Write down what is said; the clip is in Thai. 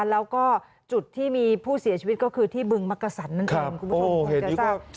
แล้วก็จุดที่มีผู้เสียชีวิตก็คือที่เบื้องมักกระสันนั้นคุณผู้ชมควรจะเจ้า